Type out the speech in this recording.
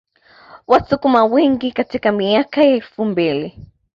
Wasukuma wengi katika miaka ya elfu mbili